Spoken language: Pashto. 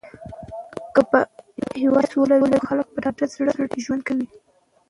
که په هېواد کې سوله وي نو خلک په ډاډه زړه ژوند کوي.